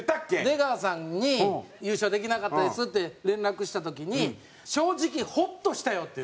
出川さんに「優勝できなかったです」って連絡した時に「正直ホッとしたよ」って。